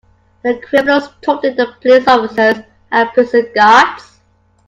The criminals taunted the police officers and prison guards.